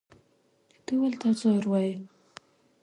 زده کونکي باید پښتو ادبیات ولولي.